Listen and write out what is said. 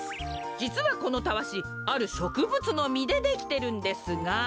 じつはこのタワシあるしょくぶつのみでできてるんですが。